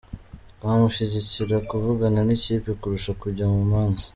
Twamushyigikira kuvugana n’ikipe kurusha kujya mu manza.